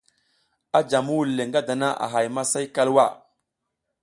A jam muhul le ngada a hay masay kalwa.